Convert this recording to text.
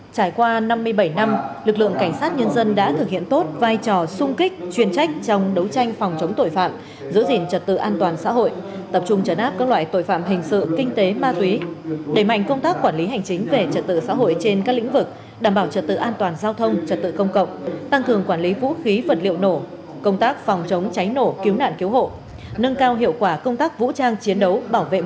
trải qua năm mươi bảy năm lực lượng cảnh sát nhân dân đã thực hiện tốt vai trò sung kích truyền trách trong đấu tranh phòng chống tội phạm giữ gìn trật tự an toàn xã hội tập trung trấn áp các loại tội phạm hình sự kinh tế ma túy đẩy mạnh công tác quản lý hành chính về trật tự xã hội trên các lĩnh vực đảm bảo trật tự an toàn giao thông trật tự công cộng tăng thường quản lý vũ khí vật liệu nổ công tác phòng chống cháy nổ cứu nạn cứu hộ nâng cao hiệu quả công tác vũ trang chiến đấu bảo v